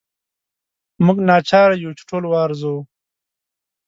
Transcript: موږ ناچاره یو چې ټول وارزوو.